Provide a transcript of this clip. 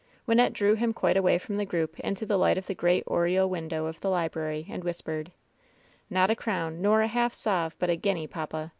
Wynnette drew him quite away from the group into the light of the great oriel window of the library and whispered : "Not a crown, nor a half sov., but a guinea, papa